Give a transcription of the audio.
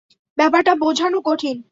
ব্যাপারটা বোঝানো কঠিন।